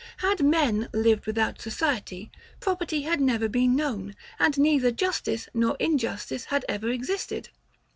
Had men lived without society, property had never been known, and neither justice nor injustice had ever existed.